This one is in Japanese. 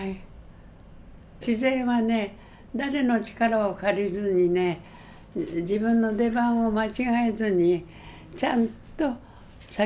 自然はね誰の力を借りずにね自分の出番を間違えずにちゃんと咲きます。